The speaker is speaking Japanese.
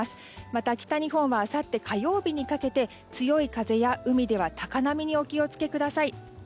また、北日本は、あさって火曜日にかけて強い風は海では高波にお気を付けください。